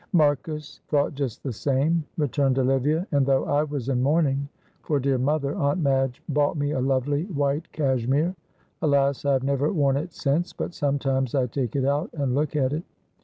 "Marcus thought just the same!" returned Olivia; "and though I was in mourning for dear mother, Aunt Madge bought me a lovely white cashmere. Alas! I have never worn it since, but sometimes I take it out and look at it.